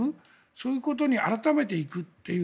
そういうことに改めて行くという。